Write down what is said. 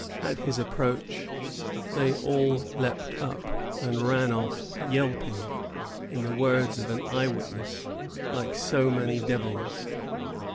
At his approach, they all leaped up and ran off, "yelping," in the words of an eye witness, "like so many devils."